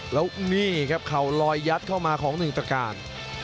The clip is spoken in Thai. แล้วนี่ครับเข่าลอยยัดเข้ามาของหนึ่งตะกาศ